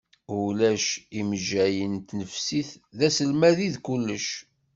Ulac imejjayen n tnefsit, d aselmad i d kullec.